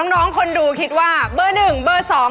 น้องคนดูคิดว่าเบอร์หนึ่งเบอร์สอง